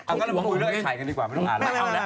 เอาล่ะลูกบ้านแบบนี้เริ่มใช้กันดีกว่าไม่ต้องอ่านแล้ว